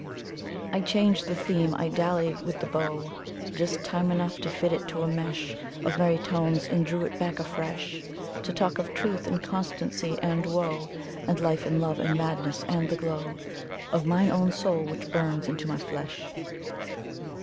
"I changed the theme. I dallied with the bow Just time enough to fit it to a mesh Of merry tones, and drew it back afresh, To talk of truth, and constancy, and woe, And life, and love, and madness, and the glow Of mine own soul which burns into my flesh."